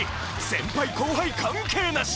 先輩後輩関係なし！